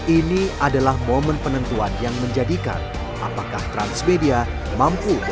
ini adalah momen penentuan yang menjadikan apakah transmedia mampu